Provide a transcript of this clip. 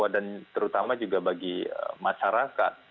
dan terutama juga bagi masyarakat